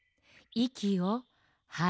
いきをはいて。